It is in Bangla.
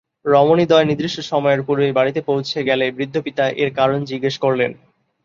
রমণীদ্বয় নির্দিষ্ট সময়ের পূর্বেই বাড়ি পৌছে গেলে বৃদ্ধ পিতা এর কারণ জিজ্ঞেস করলেন।